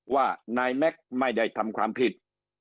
ว่านายแม็กซ์ไม่ได้ทำความผิด